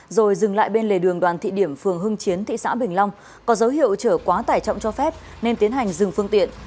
rồi dừng lại bên lề đường đoàn thị điểm phường hưng chiến thị xã bình long có dấu hiệu chở quá tải trọng cho phép nên tiến hành dừng phương tiện